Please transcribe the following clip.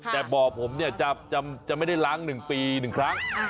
แต่บ่อผมเนี่ยจะไม่ได้ล้าง๑ปี๑ครั้ง